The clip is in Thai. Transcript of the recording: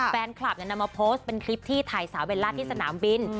แฟนคลับนำมาโพสต์เป็นคลิปที่ถ่ายสาวเบลล่าที่สนามบิน